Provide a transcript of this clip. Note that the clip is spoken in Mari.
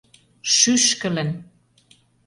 Шӱшкылын!..